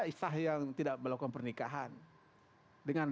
istah yang tidak melakukan pernikahan